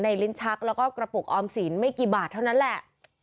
ลิ้นชักแล้วก็กระปุกออมสินไม่กี่บาทเท่านั้นแหละ